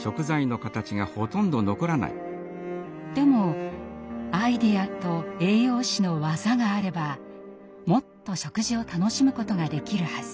でもアイデアと栄養士の技があればもっと食事を楽しむことができるはず。